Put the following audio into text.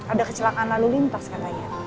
ada kecelakaan lalu lintas katanya